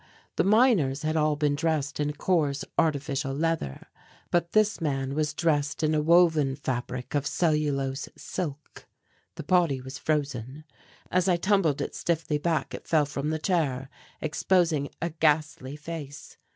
The miners had all been dressed in a coarse artificial leather, but this man was dressed in a woven fabric of cellulose silk. The body was frozen. As I tumbled it stiffly back it fell from the chair exposing a ghastly face.